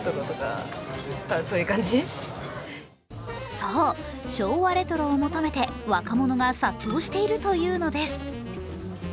そう、昭和レトロを求めて若者が殺到しているというのです。